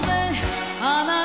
「あなた．．．